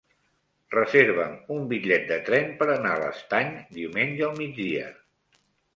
Reserva'm un bitllet de tren per anar a l'Estany diumenge al migdia.